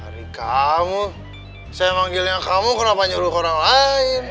hari kamu saya manggilnya kamu kenapa nyuruh orang lain